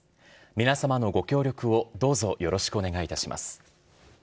皆様のご協力を、どうぞよろしくお願いいたします。